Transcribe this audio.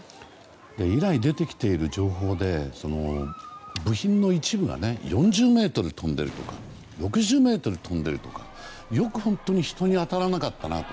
以来、出てきている情報で部品の一部がね４０ｍ飛んでいるとか６０ｍ飛んでいるとかよく人に当たらなかったなと。